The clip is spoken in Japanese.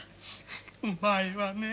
うまいわね